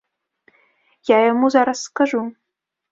Я яму зараз скажу.